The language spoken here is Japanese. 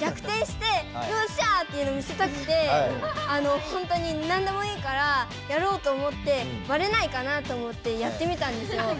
逆転してヨッシャー！っていうのを見せたくてほんとになんでもいいからやろうと思ってバレないかなと思ってやってみたんですよ。